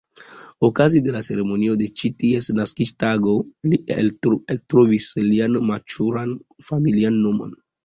Okaze de la ceremonio de ĉi ties naskiĝtago, li ektrovis lian manĉuran familian nomon.